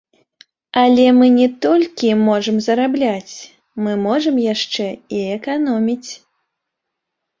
Але мы не толькі можам зарабляць, мы можам яшчэ і эканоміць.